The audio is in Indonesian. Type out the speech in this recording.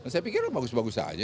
saya pikir bagus bagus saja